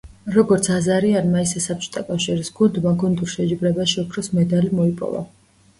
როგორც აზარიანმა, ისე საბჭოთა კავშირის გუნდმა გუნდურ შეჯიბრებაში ოქროს მედალი მოიპოვა.